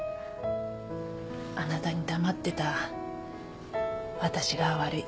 あなたに黙ってた私が悪い。